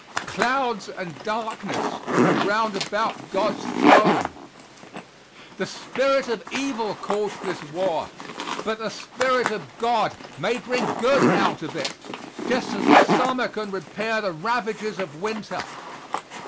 "Clouds and darkness are round about God's throne." The spirit of evil caused this war, but the Spirit of God may bring good out of it, just as the summer can repair the ravages of winter.